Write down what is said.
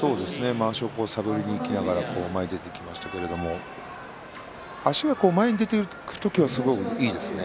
まわしを探りにいきながら前に出ていきましたけれども足が前に出ていく時はすごくいいですね。